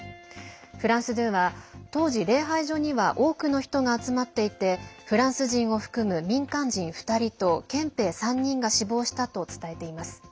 フランス２は、当時礼拝所には多くの人が集まっていてフランス人を含む民間人２人と憲兵３人が死亡したと伝えています。